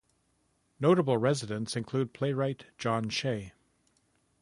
Notable residents include playwright John Shea.